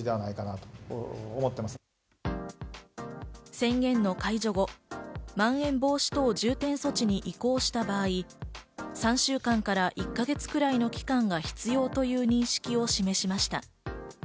宣言の解除後、まん延防止等重点措置に移行した場合、３週間から１か月くらいの期間は必要という認識を示しました。